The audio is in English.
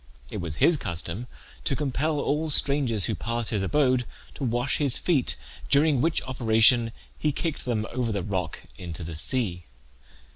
It was his custom to compel all strangers who passed his abode to wash his feet, during which operation he kicked them over the rock into the sea.